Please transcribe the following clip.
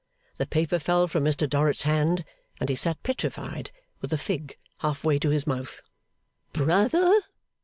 The paper fell from Mr Dorrit's hand, and he sat petrified, with a fig half way to his mouth. 'Brother!